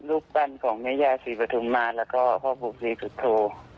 ลูกปั้นของแม่ย่าศรีปฐุมมาแล้วก็พ่อภูกษีศุธโท